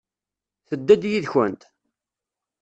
Tedda-d yid-kent?